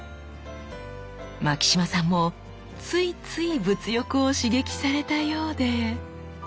牧島さんもついつい物欲を刺激されたようで。